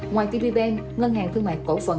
ngoài tb bank ngân hàng thương mại cổ phần